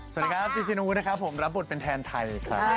สวัสดีครับจิชินวุทธ์นะครับผมรับบทเป็นแทนไทย